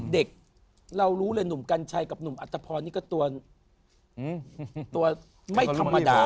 เด็กเรารู้เลยหนุ่มกัญชัยกับหนุ่มอัตภพรนี่ก็ตัวไม่ธรรมดา